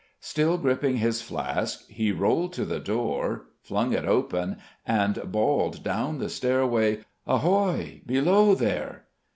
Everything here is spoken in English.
Still gripping his flask, he rolled to the door, flung it open, and bawled down the stairway "Ahoy! Below, there!"